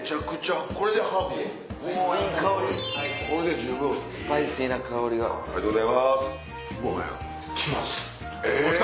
ありがとうございます。来ました。